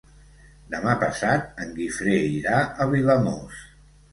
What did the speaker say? Demà passat en Guifré irà a Vilamòs.